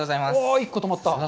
１個、とまった。